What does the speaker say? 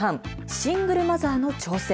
シングルマザーの挑戦。